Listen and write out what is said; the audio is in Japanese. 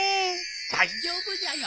大丈夫じゃよ。